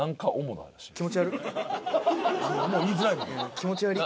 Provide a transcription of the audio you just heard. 気持ち悪い。